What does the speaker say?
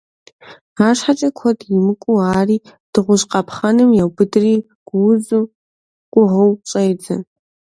АрщхьэкӀэ, куэд имыкӀуу ари дыгъужь къапхъэным еубыдри гуузу къугъыу щӀедзэ.